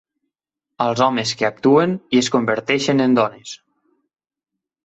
Als homes que actuen i es converteixen en dones.